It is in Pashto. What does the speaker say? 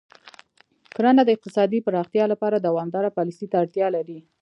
کرنه د اقتصادي پراختیا لپاره دوامداره پالیسۍ ته اړتیا لري.